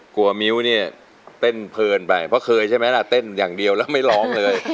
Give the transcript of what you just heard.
มิ้วเนี่ยเต้นเพลินไปเพราะเคยใช่ไหมล่ะเต้นอย่างเดียวแล้วไม่ร้องเลย